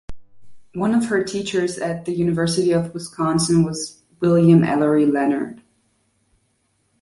One of her teachers at the University of Wisconsin was William Ellery Leonard.